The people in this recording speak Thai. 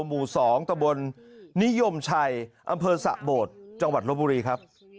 หมู่๒ตะบนนิยมชัยอำเภอสะโบดจังหวัดลบบุรีครับ